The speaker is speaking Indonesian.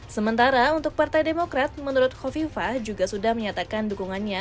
sementara untuk partai demokrat menurut kofifa juga sudah menyatakan dukungannya